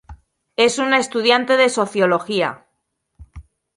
Es una estudiante de sociología.